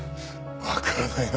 わからないな